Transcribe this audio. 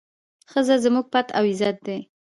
ښځه زموږ پت او عزت دی.